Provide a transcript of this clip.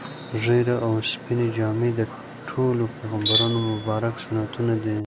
ږیره او سپینې جامې د ټولو پیغمبرانو مبارک سنتونه دي.